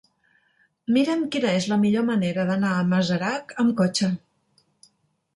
Mira'm quina és la millor manera d'anar a Masarac amb cotxe.